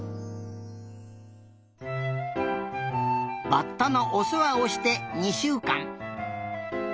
バッタのおせわをして２しゅうかん。